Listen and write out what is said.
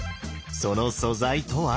その素材とは？